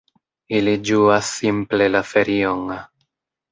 Ili ĝuas simple la ferion.